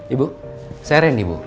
ibu saya rendy bu